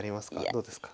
どうですか？